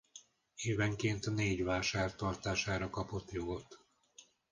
Évenként négy vásár tartására kapott jogot.